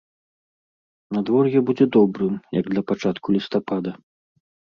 Надвор'е будзе добрым, як для пачатку лістапада.